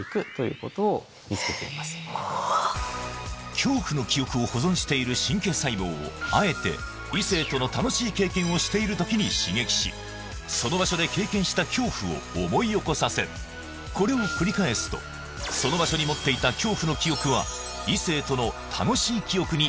恐怖の記憶を保存している神経細胞をあえて異性との楽しい経験をしている時に刺激しその場所で経験した恐怖を思い起こさせるこれを繰り返すとその場所に持っていたそれは。